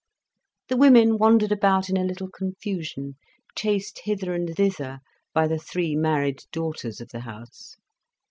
The women wandered about in a little confusion, chased hither and thither by the three married daughters of the house.